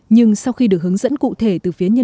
nhưng sau khi được hướng dẫn cụ thể từ phía nhân dân